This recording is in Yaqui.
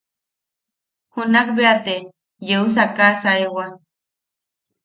Junakbeate yeusakasaewa.